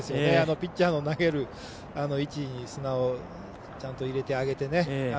ピッチャーの投げる位置に砂をちゃんと入れてあげてね。